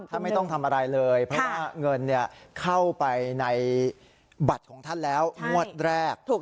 ท่านไม่ต้องทำอะไรเลยเพราะว่าเงินเข้าไปในบัตรของท่านแล้วงวดแรก